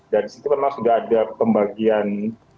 dan di situ memang sudah ada pembagian